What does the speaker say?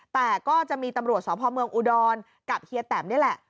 แต่ก็จะมีตำรวจสพเมืองอุดรกับเฮียแตมนี่แหละ